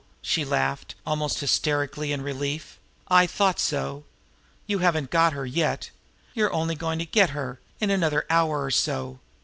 She laughed almost hysterically in relief. "I thought so! You haven't got her yet. You're only going to get her in another hour or so!